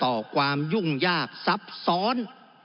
เป็นหาต่อความยุ่งยากซับซ้อน